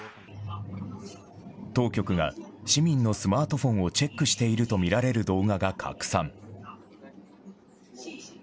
当局が市民のスマートフォンをチェックしていると見られる動画が拡散。